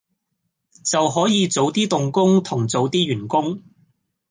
就可以早啲動工同早啲完工